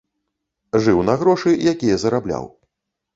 Жыў на грошы, якія зарабляў.